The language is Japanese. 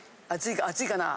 熱いかな？